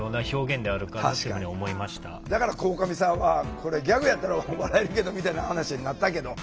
だから鴻上さんはこれギャグやったら笑えるけどみたいな話になったけど。